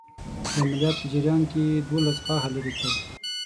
د عملیات په جریان کې یې دوولس غاښه لرې کړل.